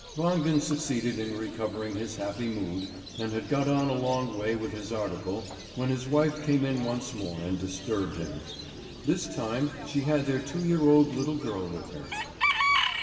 Wangen succeeded in recovering his happy mood, and had got on a long way with his article, when his wife came in once more and disturbed him. This time she had their two year old little girl with her.